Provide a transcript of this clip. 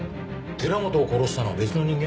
寺本を殺したのは別の人間？